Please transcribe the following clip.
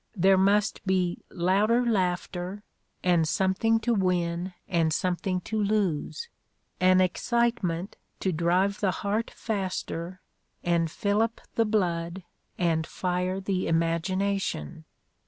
There must be louder laughter, and something to win and something to lose; an excitement to drive the heart faster and fillip the blood and fire the imagination.